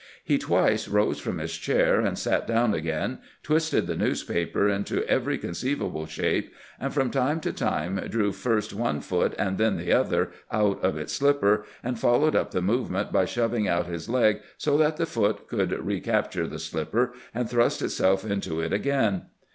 He twice rose from his chair, and sat down again, twisted the newspaper into every con ceivable shape, and from time to time drew first one foot and then the other out of its slipper, and followed up the movement by shoving out his leg so that the foot could recapture the slipper and thrust itself into it again.